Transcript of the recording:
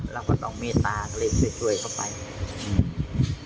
เราก็ต้องเมตตาเพราะเลยช่วยช่วยเขาไปอืม